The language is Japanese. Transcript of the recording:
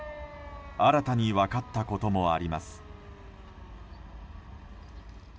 新たに分かったこともあります。